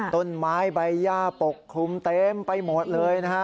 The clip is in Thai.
ต้นไม้ใบย่าปกคลุมเต็มไปหมดเลยนะฮะ